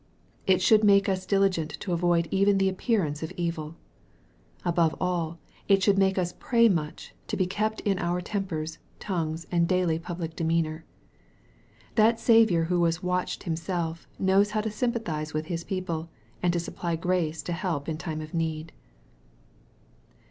It should make us diligent to avoid even the " appearance of evil." Above all, it should make us pray much, to be kept in our tempers, tongues, and daily public demeanor. That Saviour who was " watched" Himself, knows how to sympathize with his people, and to supply grace to help in time of need.